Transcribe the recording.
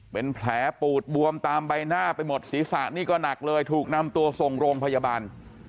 เป็นแผลปูดบวมตามใบหน้าไปหมดศีรษะนี่ก็หนักเลยถูกนำตัวส่งโรงพยาบาล